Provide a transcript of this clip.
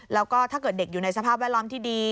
แล้วก็ถ้าเกิดเด็กอยู่ในสภาพแวดล้อมที่ดี